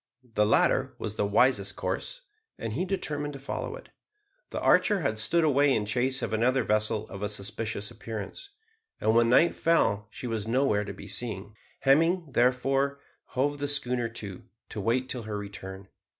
The latter was the wisest course, and he determined to follow it. The Archer had stood away in chase of another vessel of a suspicious appearance, and when night fell she was nowhere to be seen. Hemming, therefore, hove the schooner to, to wait till her return.